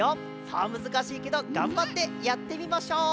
さあむずかしいけどがんばってやってみましょう！